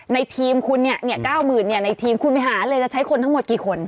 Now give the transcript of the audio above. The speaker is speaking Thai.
ในทีมคุณเนี่ย๙๐๐ในทีมคุณไปหาเลยจะใช้คนทั้งหมดกี่คน